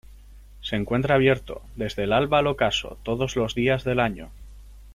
Se encuentra abierto, desde el alba al ocaso, todos los días del año.